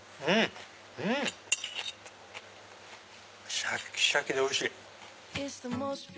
シャッキシャキでおいしい！